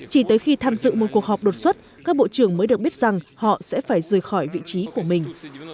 chỉ tới khi tham dự một cuộc họp đột xuất các bộ trưởng mới được biết rằng họ sẽ phải rời khỏi vị trí của mình